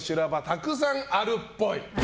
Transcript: たくさんあるっぽい。